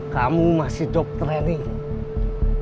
kamu masih job training